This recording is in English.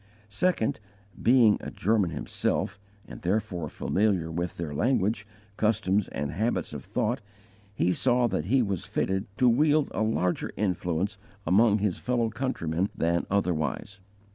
2. Being a German himself, and therefore familiar with their language, customs, and habits of thought, he saw that he was fitted to wield a larger influence among his fellow countrymen than otherwise.